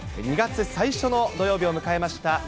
２月最初の土曜日を迎えました。